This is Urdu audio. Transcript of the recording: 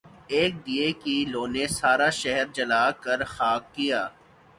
ایک دیے کی لو نے سارا شہر جلا کر خاک کیا